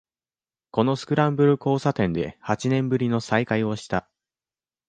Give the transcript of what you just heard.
このスクランブル交差点で八年ぶりの再会をした